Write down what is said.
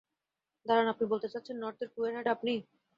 দাঁড়ান, আপনি বলতে চাচ্ছেন, নর্থের ক্যুয়ের হেড আপনি?